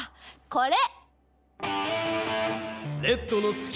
これ！